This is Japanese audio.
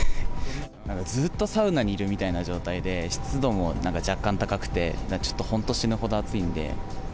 ずっとサウナにいるみたいな状態で、湿度もなんか若干高くて、ちょっと本当、死ぬほど暑いんで。